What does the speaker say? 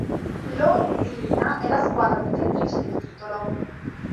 Lo Žilina è la squadra detentrice del titolo.